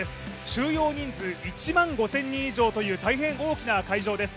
収容人数１万５０００人以上という大変大きな会場です。